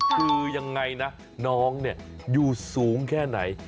คือยังไงนะน้องเนี่ยอยู่สูงแค่ไหน